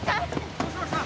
どうしました？